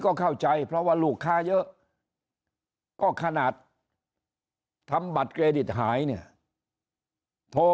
ก็เข้าใจเพราะว่าลูกค้าเยอะก็ขนาดทำบัตรเครดิตหายเนี่ยโทร